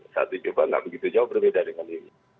saat itu juga gak begitu jauh berbeda dengan ini